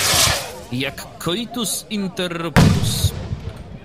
Jak coitus interruptus.